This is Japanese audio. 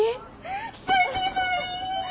久しぶり！